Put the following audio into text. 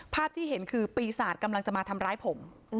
ภาพที่เห็นคือปีศาจกำลังจะมาทำร้ายผม